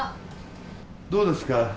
どうですか？